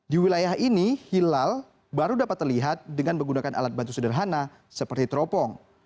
di wilayah ini hilal baru dapat terlihat dengan menggunakan alat bantu sederhana seperti teropong